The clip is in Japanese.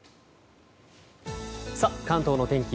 関東の天気